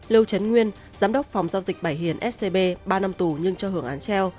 lưu trấn nguyên giám đốc phòng giao dịch bảy hiền scb ba năm tù nhưng cho hưởng án treo